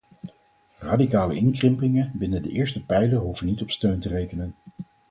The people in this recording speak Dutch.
Radicale inkrimpingen binnen de eerste pijler hoeven niet op steun te rekenen.